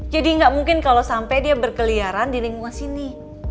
jadi gak mungkin kalau sampai dia berkeliaran di lingkungan sini